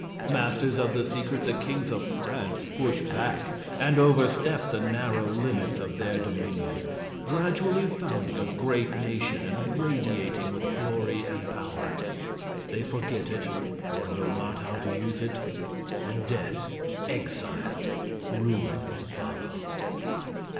Masters of the secret, the Kings of France push back and overstep the narrow limits of their dominion, gradually founding a great nation and radiating with glory and power. They forget it or know not how to use it; and death, exile, ruin follow.